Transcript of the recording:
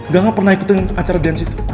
gak pernah ikutin acara dance itu